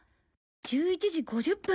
１１時５０分。